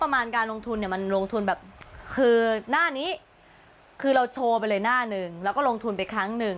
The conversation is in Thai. มันลงทุนแบบคือหน้านี้คือเราโชว์ไปเลยหน้านึงแล้วก็ลงทุนไปครั้งนึง